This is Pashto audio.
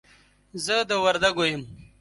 زه د وردګو يم.